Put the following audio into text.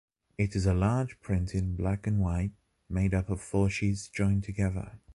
It is a large print in black and white, made up of four sheets joined together.